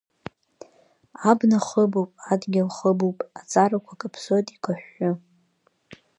Абна хыбуп, адгьыл хыбуп, аҵарақәа каԥсоит икаҳәҳәы.